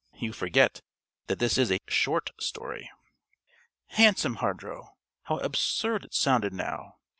~ You forget that this is a ~SHORT~ story.) Handsome Hardrow! How absurd it sounded now!